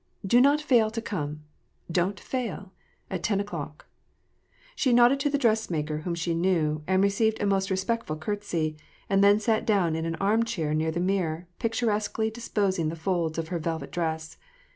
Do not fail to come. Don't fail — at ten o'clock." She nodded to the dressmaker, whom she knew, and received a most respectful courtesy, and then sat down in an arm chair near the mirror, picturesquely disposing the folds of her velvet dress.